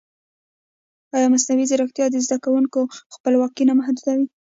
ایا مصنوعي ځیرکتیا د زده کوونکي خپلواکي نه محدودوي؟